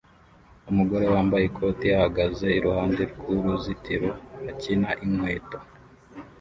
Umugore wambaye ikoti ahagaze iruhande rw'uruzitiro akina inkweto